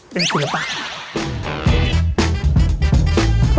เป็นภิราบาล